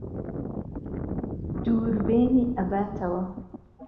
دووربێنی ئهباتههوه